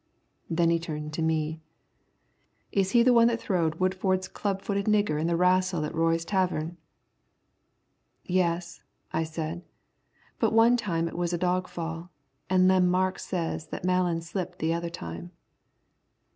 Then he turned to me. "Is he the one that throwed Woodford's club footed nigger in the wrastle at Roy's tavern?" "Yes," I said, "but one time it was a dog fall, and Lem Marks says that Malan slipped the other time."